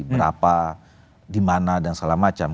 berapa dimana dan segala macam